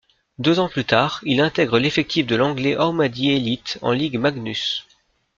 Deux ans plus tard, il intègre l'effectif de l'Anglet Hormadi Élite en Ligue Magnus.